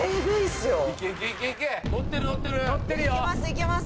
いけます